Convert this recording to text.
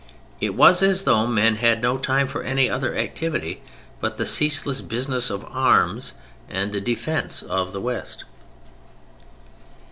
It was as though men had no time for any other activity but the ceaseless business of arms and of the defence of the West.